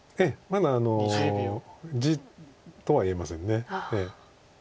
まだ地とは言えません。